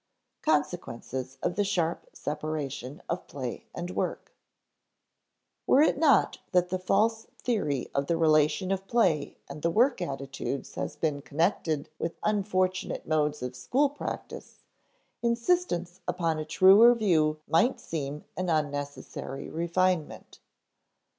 [Sidenote: Consequences of the sharp separation of play and work] Were it not that the false theory of the relation of the play and the work attitudes has been connected with unfortunate modes of school practice, insistence upon a truer view might seem an unnecessary refinement.